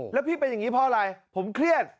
แล้วพี่เป็นอย่างนี้เพราะอะไรผมเครียด